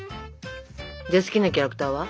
じゃあ好きなキャラクターは？